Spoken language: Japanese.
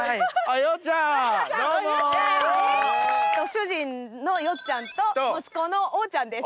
主人のよっちゃんと息子のおうちゃんです。